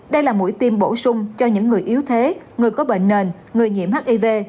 đây là mũi tiêm bổ sung cho những người yếu thế người có bệnh nền người nhiễm hiv